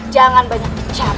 jangan banyak bicara